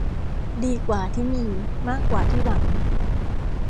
ดีกว่าที่มีมากกว่าที่หวัง